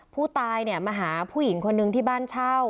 ผู้ตายเนี่ยมาหาผู้หญิงคนนึงที่บ้านเช่า